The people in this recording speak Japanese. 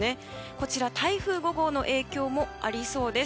こちら、台風５号の影響もありそうです。